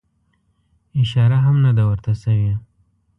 اشاره هم نه ده ورته سوې.